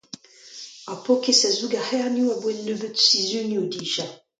Ar paour kaezh a zoug ar c'hernioù abaoe un nebeut sizhunioù dija.